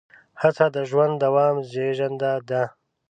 هڅه د ژوند د دوام زېږنده ده.